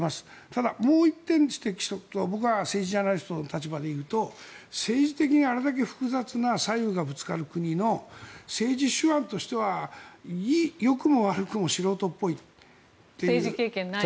ただ、もう１点指摘しておくと僕は政治ジャーナリストの立場でいうと政治的に、あれだけ複雑な左右がぶつかる国の政治手腕としては良くも悪くも素人っぽいという。